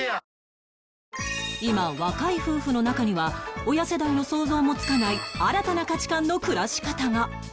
今若い夫婦の中には親世代の想像もつかない新たな価値観の暮らし方が